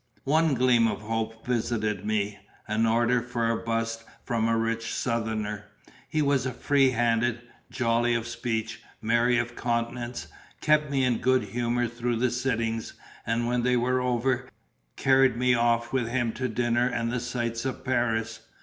One gleam of hope visited me an order for a bust from a rich Southerner. He was free handed, jolly of speech, merry of countenance; kept me in good humour through the sittings, and when they were over, carried me off with him to dinner and the sights of Paris.